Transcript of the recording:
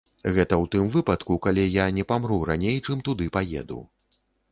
Гэта ў тым выпадку, калі я не памру раней, чым туды паеду.